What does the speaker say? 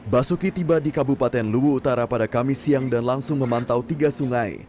basuki tiba di kabupaten luwu utara pada kamis siang dan langsung memantau tiga sungai